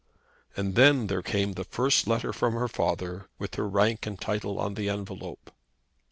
And then there came the first letter from her father with her rank and title on the envelope.